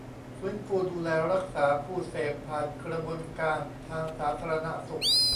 ฟื้นฟูดูแลรักษาผู้เสพผ่านกระบวนการทางสาธารณสุข